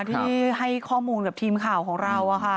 ที่ให้ข้อมูลกับทีมข่าวของเรา